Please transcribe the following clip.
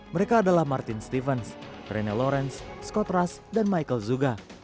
mereka adalah martin stevens rené lawrence scott rush dan michael zuga